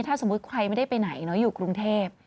ถ้าสมมุติใครไม่ได้ไปไหนอยู่กรุงเทพ